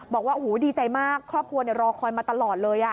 บอกว่าโอ้โหดีใจมากครอบครัวรอคอยมาตลอดเลย